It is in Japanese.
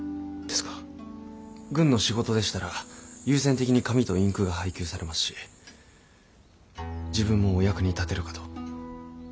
軍の仕事でしたら優先的に紙とインクが配給されますし自分もお役に立てるかと。